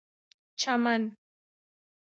چمن